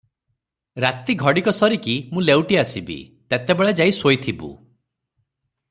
ରାତି ଘଡ଼ିକ ସରିକି ମୁଁ ଲେଉଟି ଆସିବି, ତେତେବେଳ ଯାଇ ଶୋଇଥିବୁ ।